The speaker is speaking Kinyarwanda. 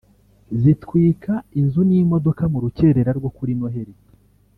zitwika inzu n’imodoka mu rucyerera rwo kuri Noheli